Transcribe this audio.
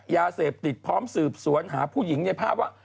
ยาเสพติดพร้อมสืบสวนหาผู้หญิงในภาพว่า